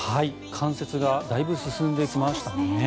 冠雪がだいぶ進んできましたね。